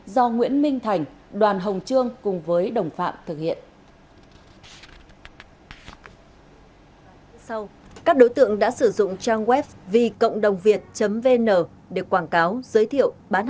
do nguyễn minh thành đoàn hồng trương cùng với đồng phạm thực hiện